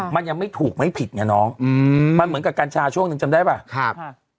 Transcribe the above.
มันยังไม่ถูกไม่ผิดไงน้องอืมมันเหมือนกับกัญชาช่วงหนึ่งจำได้ป่ะครับค่ะ